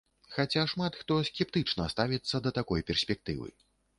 Хаця шмат хто скептычна ставіцца да такой перспектывы.